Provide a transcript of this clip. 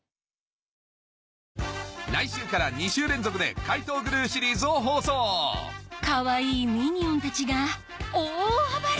来週から２週連続で『怪盗グルー』シリーズを放送かわいいミニオンたちが大暴れ！